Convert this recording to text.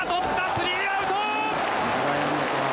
スリーアウト！